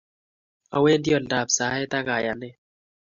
awendi oldab saet ak kayanet